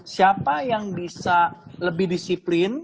siapa yang bisa lebih disiplin